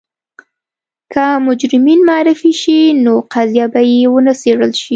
که مجرمین معرفي شي نو قضیه به یې ونه څېړل شي.